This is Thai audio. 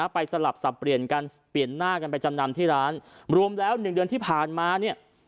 ไปสลับสับเปลี่ยนหน้ากันไปจำนำที่ร้านรวมแล้ว๑เดือนที่ผ่านมา